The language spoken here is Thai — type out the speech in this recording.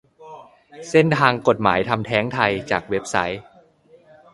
เส้นทางกฎหมายทำแท้งไทย จากเว็บไซค์